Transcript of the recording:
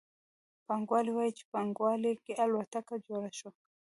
پانګوال وايي چې په پانګوالي کې الوتکه جوړه شوه